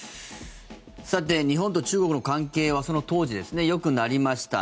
日本と中国の関係はその当時、よくなりました。